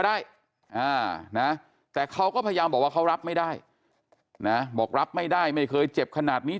ได้นะแต่เขาก็พยายามบอกว่าเขารับไม่ได้นะบอกรับไม่ได้ไม่เคยเจ็บขนาดนี้